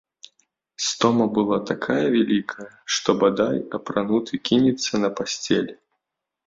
Стома была такая вялікая, што, бадай, апрануты кінецца на пасцель.